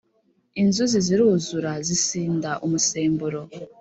Inzuzi ziruzura zisinda umusemburo